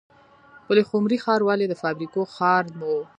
پلخمري ښار ولې د فابریکو ښار و؟